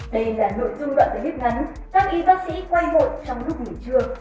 đây là nội dung đoạn clip ngắn các y bác sĩ quay vội trong lúc ngủ trưa